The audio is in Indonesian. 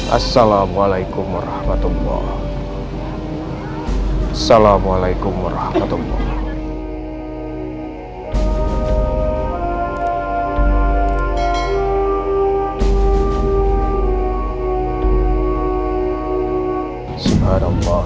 assalamualaikum warahmatullahi wabarakatuh